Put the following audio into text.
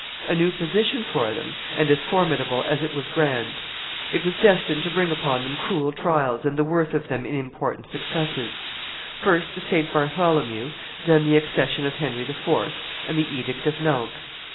A new position for them, and as formidable as it was grand. It was destined to bring upon them cruel trials and the worth of them in important successes; first, the Saint Bartholomew, then the accession of Henry IV. and the edict of Nantes.